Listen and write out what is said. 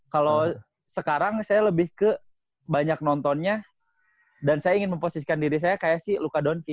kalau sekarang saya lebih ke banyak nontonnya dan saya ingin memposisikan diri saya kayak si luka donki